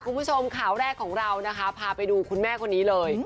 คุณผู้ชมข่าวแรกของเรานะคะพาไปดูคุณแม่คนนี้เลย